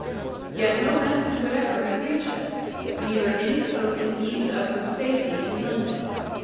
Yet no message whatever had reached us; neither any token even of her safety in London.